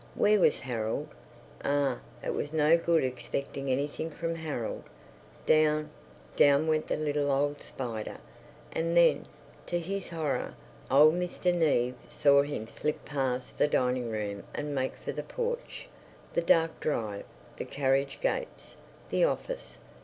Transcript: Where was Harold? Ah, it was no good expecting anything from Harold. Down, down went the little old spider, and then, to his horror, old Mr. Neave saw him slip past the dining room and make for the porch, the dark drive, the carriage gates, the office.